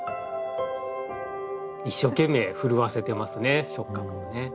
一生懸命振るわせてますね触角をね。